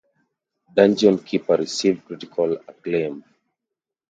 "Dungeon Keeper" received critical acclaim.